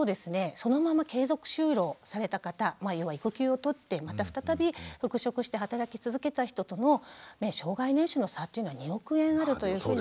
そのまま継続就労された方要は育休をとってまた再び復職して働き続けた人との生涯年収の差というのは２億円あるというふうに言われてるんですよ。